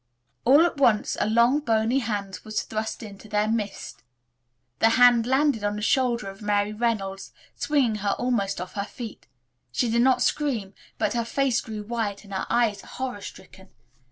All at once a long bony hand was thrust into their midst. The hand landed on the shoulder of Mary Reynolds, swinging her almost off her feet. She did not scream, but her face grew white and her eyes horror stricken.